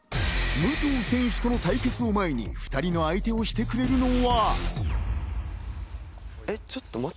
武藤選手との対決を前に２人の相手をしてくれるのは。